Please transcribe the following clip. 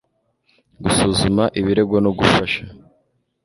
gusuzuma ibirego no gufasha